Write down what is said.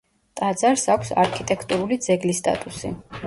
ტაძარს აქვს არქიტექტურული ძეგლის სტატუსი.